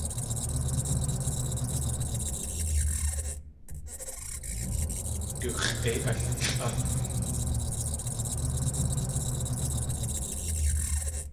Du x̲ʼéi allʼá!